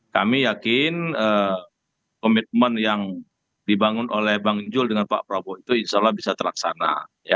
kami yakin komitmen yang dibangun oleh bang jul dengan pak prabowo itu insya allah bisa terlaksana